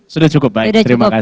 sudah cukup baik terima kasih